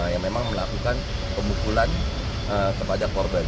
yang memang melakukan pemukulan kepada korban